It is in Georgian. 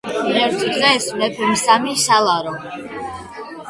ერთ დღეს მეფემ, სამი სალარო .